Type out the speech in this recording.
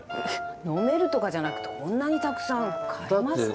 飲めるとかじゃなくてこんなにたくさん買いますか？